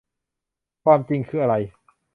ความจริงคืออะไร